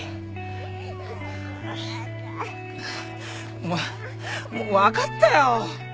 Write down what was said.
お前もう分かったよ。